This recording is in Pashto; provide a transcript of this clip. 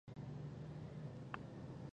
مستو راښکاره شوه او یې پرې غږ وکړ.